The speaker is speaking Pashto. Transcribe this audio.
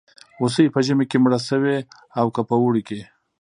هوسۍ په ژمي کې مړه شوې او که په اوړي کې.